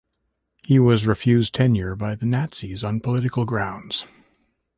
He was refused tenure by the Nazis on political grounds.